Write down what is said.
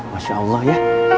masya allah ya